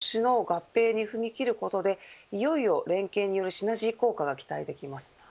今回、国内トップ企業同士の合併に踏み切ることでいよいよ連携によるシナジー効果が期待できます。